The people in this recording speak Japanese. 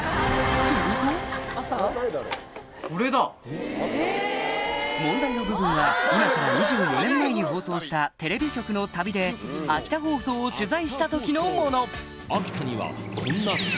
すると問題の部分は今から２４年前に放送したテレビ局の旅で秋田放送を取材した時のもの